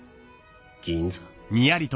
銀座？